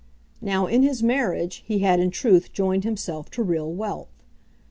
Now, in his marriage, he had in truth joined himself to real wealth.